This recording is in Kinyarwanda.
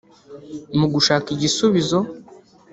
Mu gushaka igisubizo